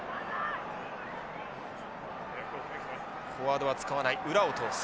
フォワードは使わない裏を通す。